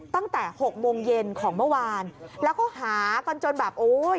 ตั้งแต่หกโมงเย็นของเมื่อวานแล้วก็หากันจนแบบโอ้ย